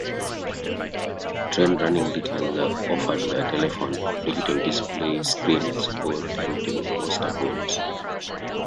Train running details are offered via telephone, digital display screens or timetable poster boards.